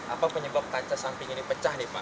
apa penyebab tanca samping ini pecah nih pak